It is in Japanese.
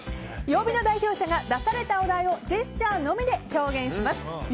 曜日の代表者が出されたお題をジェスチャーのみで表現します。